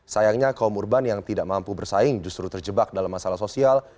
sayangnya kaum urban yang tidak mampu bersaing justru terjebak dalam masalah sosial